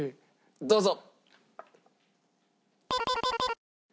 どうぞ！